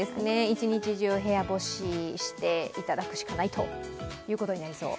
一日中部屋干ししていただくしかないということになりそう。